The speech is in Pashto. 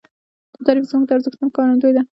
دا تعریف زموږ د ارزښتونو ښکارندوی دی.